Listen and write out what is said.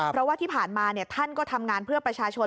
เพราะว่าที่ผ่านมาท่านก็ทำงานเพื่อประชาชน